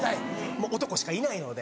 もう男しかいないので。